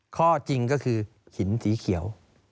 ข้อจริงก็คือหินสีเขียว